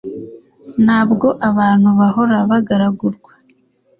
ntabwo abantu bahora bagaragurwa